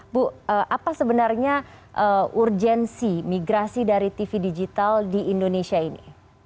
bu apa sebenarnya urgensi migrasi dari tv digital di indonesia ini